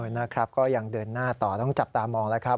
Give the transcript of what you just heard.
นะครับก็ยังเดินหน้าต่อต้องจับตามองแล้วครับ